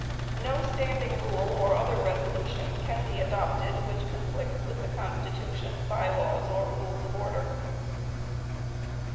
No Standing Rule (or other resolution) can be adopted which conflicts with the Constitution, By Laws or Rules of Order.